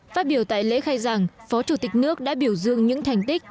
phát biểu tại lễ khai giảng phó chủ tịch nước đã biểu dương những thành tích